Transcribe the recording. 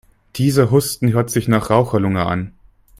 Dieser Husten hört sich nach Raucherlunge an.